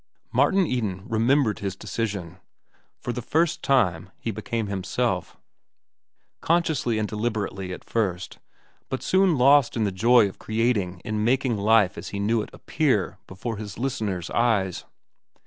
Martin Eden remembered his decision. For the first time he became himself, consciously and deliberately at first, but soon lost in the joy of creating in making life as he knew it appear before his listeners' eyes.